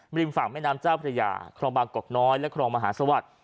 ริมฝั่งแม่น้ำเจ้าพระยาครองบางกอกน้อยและครองมหาสวัสดิ์